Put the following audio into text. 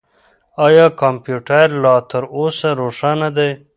آیا کمپیوټر لا تر اوسه روښانه دی؟